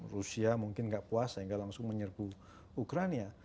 rusia mungkin nggak puas sehingga langsung menyerbu ukraina